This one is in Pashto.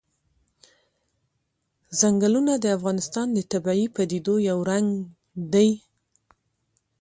چنګلونه د افغانستان د طبیعي پدیدو یو رنګ دی.